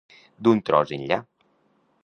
D'un tros enllà.